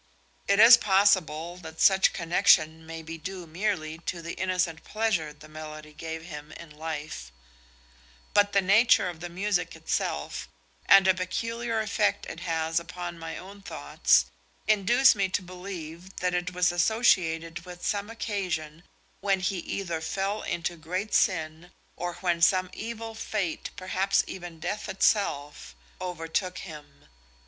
It is possible that such connection may be due merely to the innocent pleasure the melody gave him in life; but the nature of the music itself, and a peculiar effect it has upon my own thoughts, induce me to believe that it was associated with some occasion when he either fell into great sin or when some evil fate, perhaps even death itself, overtook him.